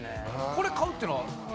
これ買うっていうのは。